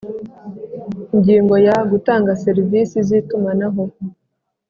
Ingingo ya gutanga serivisi z itumanaho